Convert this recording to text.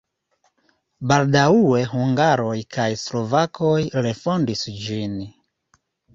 Baldaŭe hungaroj kaj slovakoj refondis ĝin.